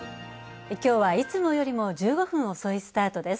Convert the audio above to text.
きょうは、いつもよりも１５分遅いスタートです。